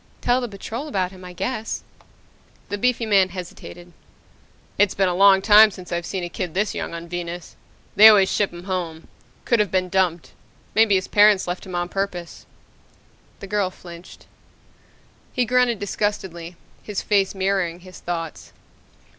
Tell the Patrol about him, I guess." The beefy man hesitated. "It's been a long time since I've seen a kid this young on Venus. They always ship 'em home. Could have been dumped. Maybe his parents left him on purpose." The girl flinched. He grunted disgustedly, his face mirroring his thoughts.